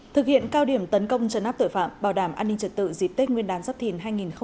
thực hiện cao điểm tấn công trấn áp tội phạm bảo đảm an ninh trật tự dịp tết nguyên đán giáp thìn hai nghìn hai mươi bốn